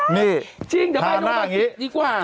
นี่ทาหน้าแบบนี้